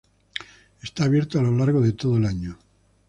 Está abierto a lo largo de todo el año.